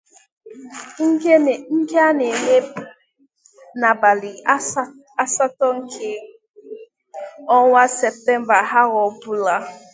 nke a na-eme n'abalị asatọ nke ọnwa septemba ahọ ọbụla.